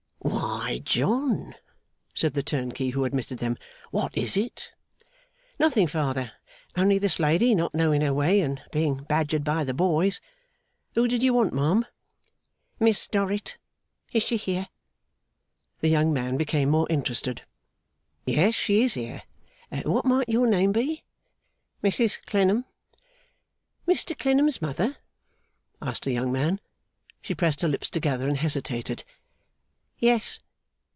'Why, John!' said the turnkey who admitted them. 'What is it?' 'Nothing, father; only this lady not knowing her way, and being badgered by the boys. Who did you want, ma'am?' 'Miss Dorrit. Is she here?' The young man became more interested. 'Yes, she is here. What might your name be?' 'Mrs Clennam.' 'Mr Clennam's mother?' asked the young man. She pressed her lips together, and hesitated. 'Yes.